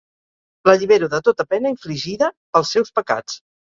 L'allibero de tota pena infligida pels seus pecats.